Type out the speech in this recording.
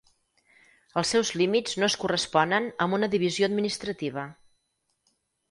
Els seus límits no es corresponen amb una divisió administrativa.